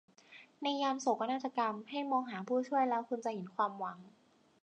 ในยามโศกนาฏกรรมให้มองหาผู้ช่วยแล้วคุณจะเห็นความหวัง